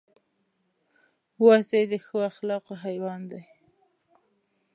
وزې د ښو اخلاقو حیوان دی